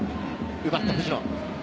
奪った藤野。